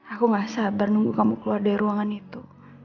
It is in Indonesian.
aku gak sabar nunggu kamu keluar dari ruangan itu